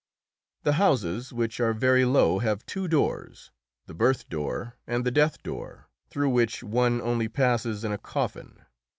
The houses, which are very low, have two doors the birth door, and the death door, through which one only passes in a coffin.